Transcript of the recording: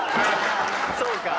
そうか。